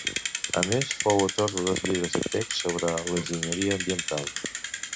A més, fou autor de dos llibres de texts sobre l'enginyeria ambiental.